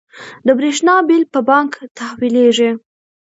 د بریښنا بیل په بانک تحویلیږي؟